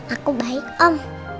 aku baik om